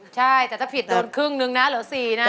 ใช่แต่ถ้าผิดโดนครึ่งนึงนะเหลือ๔นะ